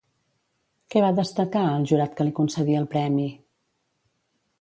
Què va destacar el jurat que li concedí el premi?